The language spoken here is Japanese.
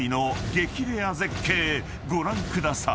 レア絶景ご覧ください］